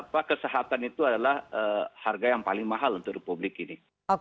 apa kesehatan itu adalah harga yang paling mahal untuk republik ini